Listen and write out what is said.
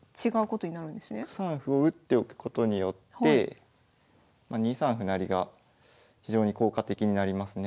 ６三歩を打っておくことによって２三歩成が非常に効果的になりますね。